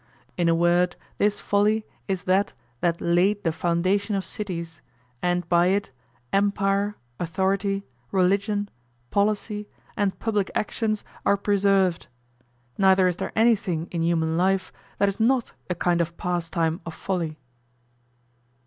In a word, this folly is that that laid the foundation of cities; and by it, empire, authority, religion, policy, and public actions are preserved; neither is there anything in human life that is not a kind of pastime of folly.